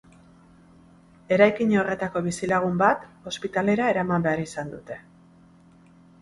Eraikin horretako bizilagun bat ospitalera eraman behar izan dute.